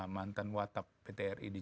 mantan watap ptri di